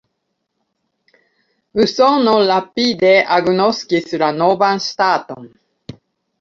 Usono rapide agnoskis la novan ŝtaton.